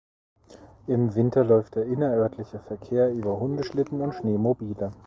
Im Winter läuft der innerörtliche Verkehr über Hundeschlitten und Schneemobile.